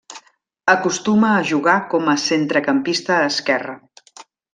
Acostuma a jugar com a centrecampista esquerre.